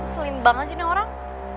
selim banget sih ini orang